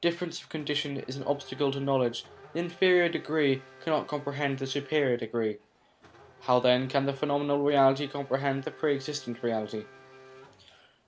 Difference of condition is an obstacle to knowledge; the inferior degree cannot comprehend the superior degree. How then can the phenomenal reality comprehend the Pre existent Reality